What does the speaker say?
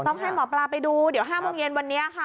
ต้องให้หมอปลาไปดูเดี๋ยว๕โมงเย็นวันนี้ค่ะ